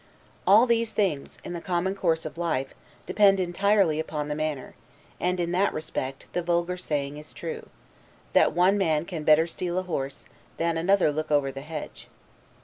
All those things, in the common course of life, depend entirely upon the manner; and, in that respect, the vulgar saying is true, 'That one man can better steal a horse, than another look over the hedge.